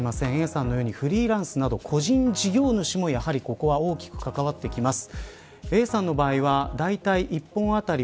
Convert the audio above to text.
Ａさんのようにフリーランスなど個人事業主もやはりここは大きく関わってきます。